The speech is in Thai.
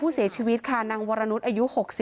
อยู่ดีมาตายแบบเปลือยคาห้องน้ำได้ยังไง